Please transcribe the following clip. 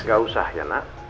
gak usah ya nak